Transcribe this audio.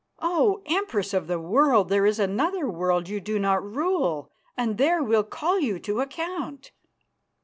Oh! Empress of the World, there is another world you do not rule, and there we'll call you to account."